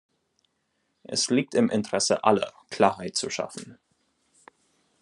Es liegt im Interesse aller, Klarheit zu schaffen.